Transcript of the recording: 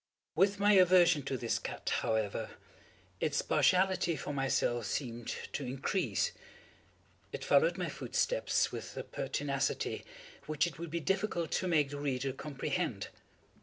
With my aversion to this cat, however, its partiality for myself seemed to increase. It followed my footsteps with a pertinacity which it would be difficult to make the reader comprehend.